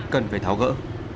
cần phải tháo gỡ